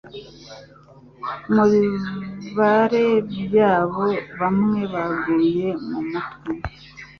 Mubibare byabo bamwe baguye mumutwe